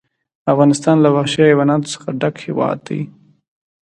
افغانستان له وحشي حیواناتو څخه ډک هېواد دی.